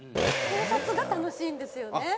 考察が楽しいんですよね。